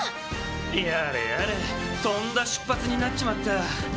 やれやれとんだしゅっぱつになっちまった。